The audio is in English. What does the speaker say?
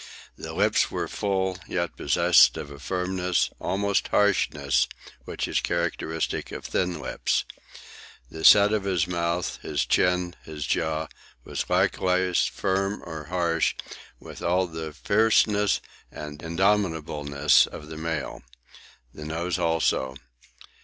The lips were full, yet possessed of the firmness, almost harshness, which is characteristic of thin lips. The set of his mouth, his chin, his jaw, was likewise firm or harsh, with all the fierceness and indomitableness of the male—the nose also.